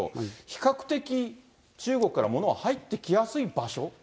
比較的、中国から物は入ってきやすい場所？